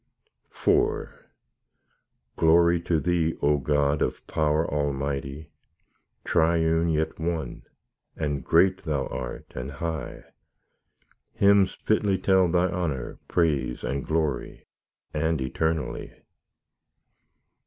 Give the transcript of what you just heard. IV Glory to Thee, O God of power almighty, Triune yet One, and great Thou art and high; Hymns fitly tell Thy honour, praise, and glory, and eternally.